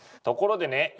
ところでね